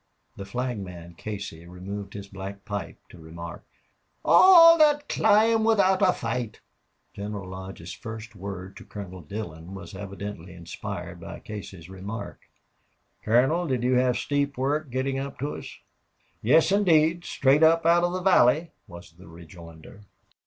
The flagman, Casey, removed his black pipe to remark, "All thet cloimb without a foight." General Lodge's first word to Colonel Dillon was evidently inspired by Casey's remark. "Colonel, did you have steep work getting up to us?" "Yes, indeed, straight up out of the valley," was the rejoinder.